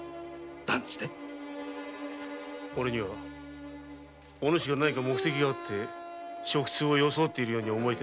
断じておれにはお主が何か目的があって食通を装っているように思えてならんのだ。